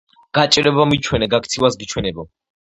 გაჭირვება მიჩვენე, გაქცევას გიჩვენებო